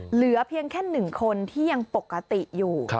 เหลือเพียงแค่๑คนที่ยังปกติอยู่